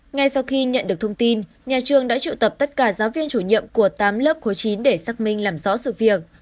ngay sau khi nhận được thông tin nhà trường đã triệu tập tất cả giáo viên chủ nhiệm của tám lớp khối chín để xác minh làm rõ sự việc